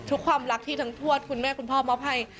ความรักที่ทั้งทวดคุณแม่คุณพ่อมอบให้